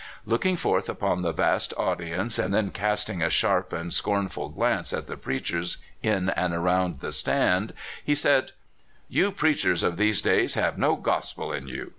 Looking forth upon the vast audience, and then casting a sharp and scornful glance at the preachers in and around "the stand," he said: " You preachers of these days have no gospel in you.